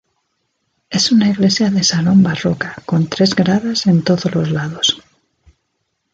Es una iglesia de salón barroca con tres gradas en todos los lados.